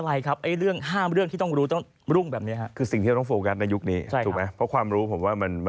เรื่องที่๑เลยเนี่ยอันนี้สำคัญนะครับ